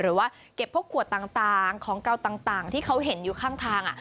หรือว่าเก็บพวกขวดต่างของเก่าต่างที่เขาเห็นอยู่ข้างทาง